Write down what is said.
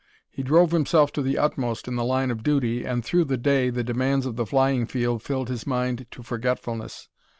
He drove himself to the utmost in the line of duty, and, through the day, the demands of the flying field filled his mind to forgetfulness.